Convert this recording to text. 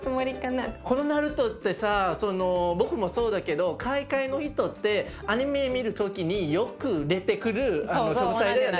このナルトってさ僕もそうだけど海外の人ってアニメ見る時によく出てくる食材だよね。